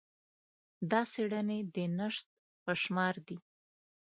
دا څېړنې د نشت په شمار دي.